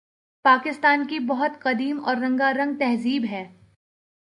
پاکستان کی بہت قدیم اور رنگارنگ تہذیب ہے